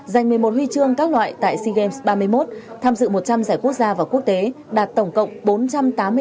giành một mươi một huy chương các loại tại sea games ba mươi một tham dự một trăm linh giải quốc gia và quốc tế